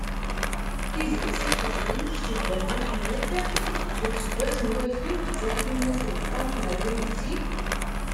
Tizlit i txedmem kečč d Ben Muḥemmed deg useggas n wagim d tẓa twinas d ṭam tmerwin d sin?